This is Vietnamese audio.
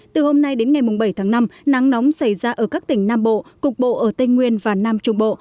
từ hôm nay đến ngày bảy tháng năm nắng nóng xảy ra ở các tỉnh nam bộ cục bộ ở tây nguyên và nam trung bộ